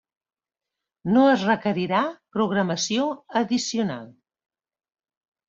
No es requerirà programació addicional.